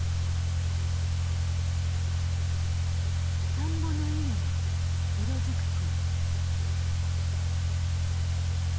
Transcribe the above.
田んぼの稲が色づく頃。